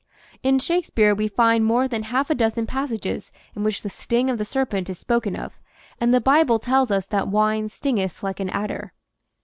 In Shakespeare we find more than half a dozen passages in which the " sting" of the serpent is spoken of, and the Bible tells us that wine "stingeth like an adder."